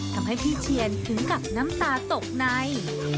ทำให้พี่เชียนถึงกับน้ำตาตกใน